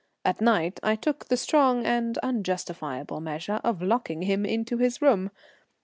At night I took the strong and unjustifiable measure of locking him into his room.